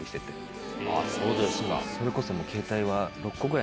それこそ。